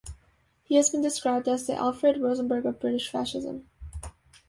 He has been described as the "Alfred Rosenberg of British fascism".